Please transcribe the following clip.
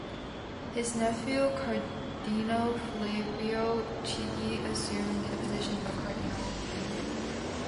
His nephew, Cardinal Flavio Chigi assumed the position of cardinal-nephew.